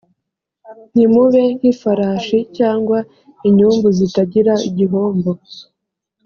ntimube nk ifarashi cyangwa inyumbu zitagira igihombo